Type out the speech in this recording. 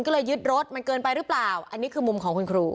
ก็เลยยึดรถมันเกินไปหรือเปล่าอันนี้คือมุมของคุณครู